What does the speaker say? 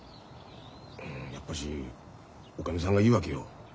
やっぱしおかみさんがいいわけよ。